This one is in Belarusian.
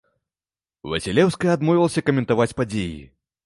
Васілеўская адмовілася каментаваць падзеі.